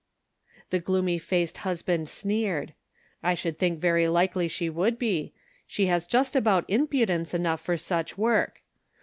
The gloomy faced husband sneered. " I should think very likely she would be ; she has just about impudence enough for such work.